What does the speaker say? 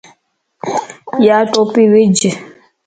يا ٽوپي وج